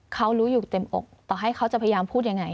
เขารู้อยู่เต็มอกต่อให้เขาจะพยายามพูดยังไง